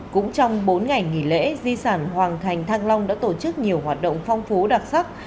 cũng trong bốn ngày nghỉ lễ di sản hoàng thành thăng long đã tổ chức nhiều hoạt động phong phú đặc sắc